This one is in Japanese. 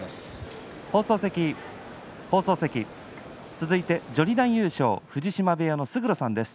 続いて序二段優勝藤島部屋の勝呂さんです。